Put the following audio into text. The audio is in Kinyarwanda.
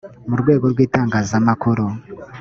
mu rwego rw’itangazamakuru